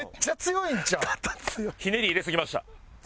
ひねり入れすぎました。